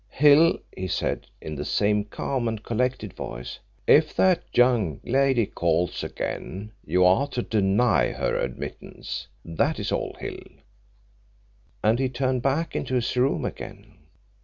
'Hill,' he said, in the same calm and collected voice, 'if that young lady calls again you're to deny her admittance. That is all, Hill,' And he turned back into his room again.